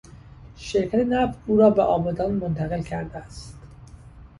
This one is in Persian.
شرکت نفت او را به آبادان منتقل کرده است.